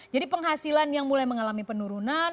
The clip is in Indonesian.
jadi penghasilan yang mulai mengalami penurunan